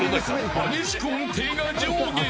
激しく音程が上下。